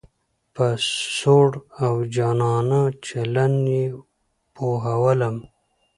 په سوړ او جانانه چلن یې پوهولم.